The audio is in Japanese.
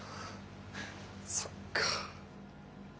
そっか。